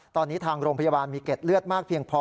ตอนนี้ทางโรงพยาบาลมีเกร็ดเลือดมากเพียงพอ